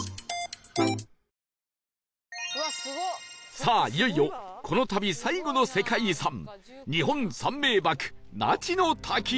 さあいよいよこの旅最後の世界遺産日本三名瀑那智の滝へ